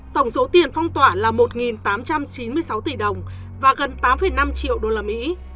tổng số tiền phong tỏa là một tám trăm chín mươi sáu tỷ đồng và gần tám năm triệu usd